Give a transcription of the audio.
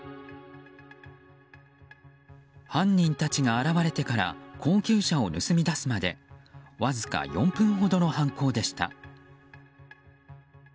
犯人たちが現れてから高級車を盗み出すまでわずか４分ほどの犯行でした。